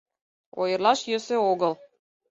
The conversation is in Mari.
Ойырлаш йӧсӧ огыл.